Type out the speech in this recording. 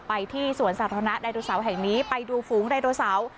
ไปที่สวนสาธารณะไดโนเสาร์แห่งนี้ไปดูฝูงไดโนเสาร์